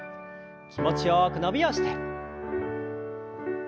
気持ちよく伸びをして。